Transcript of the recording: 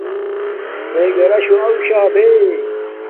میے گھراشُݹ آݹ شا بے